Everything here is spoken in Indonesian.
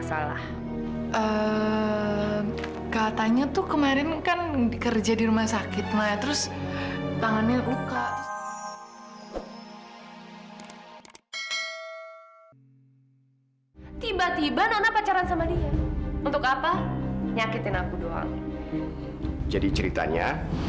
sampai jumpa di video selanjutnya